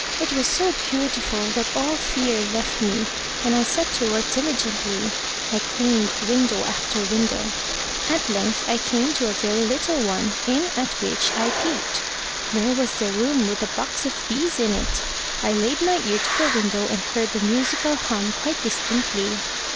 It was so beautiful that all fear left me, and I set to work diligently. I cleaned window after window. At length I came to a very little one, in at which I peeped. There was the room with the box of bees in it! I laid my ear to the window, and heard the musical hum quite distinctly.